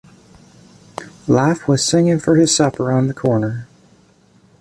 Life was singing for his supper on the corner!